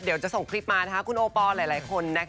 เดี๋ยวจะส่งคลิปมาคุณโอปอล์หลายคน